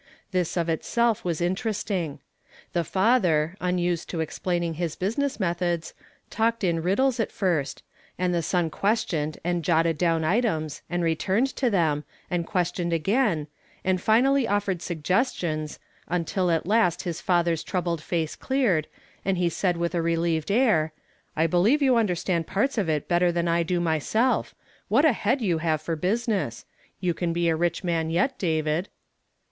This of itself was interesting. The father, unused to explain ing his business methods, talked in riddles at first, and the son questioned and dotted down items, and returned to them, and questioned again, and finally offered suggestions, until at last his father's troubled face cleared, and he said with a relieved air, "I believe you undei stand parts of it better than I do myself. What a head you have for busi ness ! You can be a rich man yet, David."